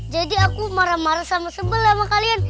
jadi aku marah marah sama sebelah sama kalian